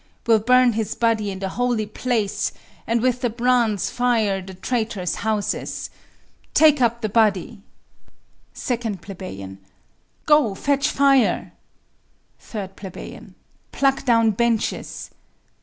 We'll burn his body in the holy place, And with the brands fire the traitors' houses. Take up the body. 2 Ple. Go, fetch fire. 3 Ple. Pluck down benches.